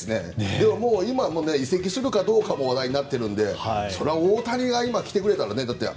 でも今は移籍するかどうかも話題になっているのでそれは大谷が今、来てくれたら。